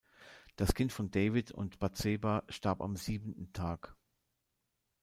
Das Kind von David und Batseba starb am siebenten Tag.